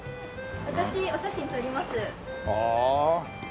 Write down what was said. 私お写真撮ります。